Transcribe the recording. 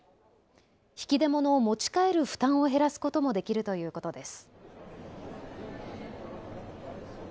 引き出物を持ち帰る負担を減らすこともできるということです。